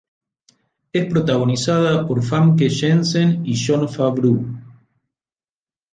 Es protagonizada por Famke Janssen y Jon Favreau.